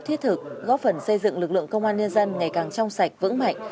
thiết thực góp phần xây dựng lực lượng công an nhân dân ngày càng trong sạch vững mạnh